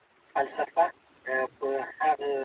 څنګه د ژوند تېري تجربې موږ ته د ښه ژوند لارښوونه کوي؟